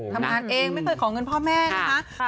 ทำงานเองไม่เคยขอเงินพ่อแม่นะคะ